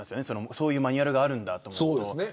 そういうマニュアルがあるんだと思うと。